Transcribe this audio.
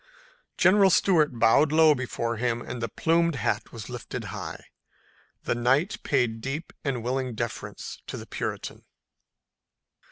General Stuart bowed low before him and the plumed hat was lifted high. The knight paid deep and willing deference to the Puritan.